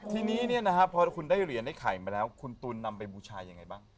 ทีนี้พอคุณได้เหรียญไอ้ไข่มาแล้วคุณตูนนำไปบูชายังไงบ้าง